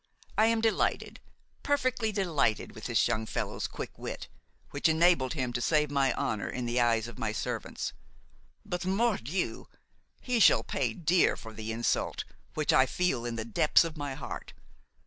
I am delighted, perfectly delighted with this young fellow's quick wit, which enabled him to save my honor in the eyes of my servants. But, mordieu! he shall pay dear for the insult, which I feel in the depths of my heart.